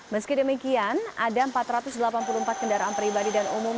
meski demikian ada empat ratus delapan puluh empat kendaraan pribadi dan umum